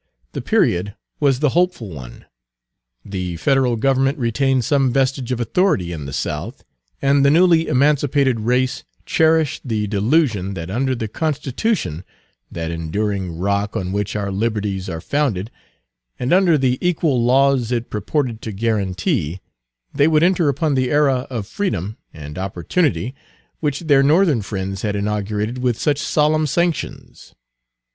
The period was the hopeful one. The Federal Government retained some vestige of authority in the South, and the newly emancipated race cherished the delusion that under the Constitution, that enduring rock on which our liberties are founded, and under the equal laws it purported to guarantee, they would enter upon the era of freedom and opportunity which their Northern friends had inaugurated with such solemn sanctions.